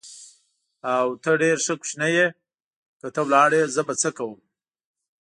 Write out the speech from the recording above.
او، ته ډېر ښه کوچنی یې، که ته ولاړې زه به څه کوم؟